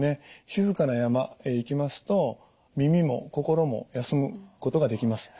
静かな山へ行きますと耳も心も休むことができます。